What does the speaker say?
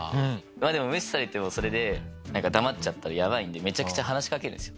でも無視されてもそれで黙っちゃったらやばいんでめちゃくちゃ話しかけるんですよ。